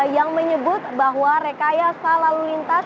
yang menyebut bahwa rekayasa lalu lintas